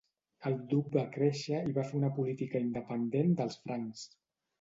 El duc va créixer i va fer una política independent dels francs.